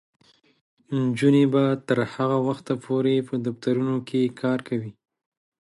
نجونې به تر هغه وخته پورې په دفترونو کې کار کوي.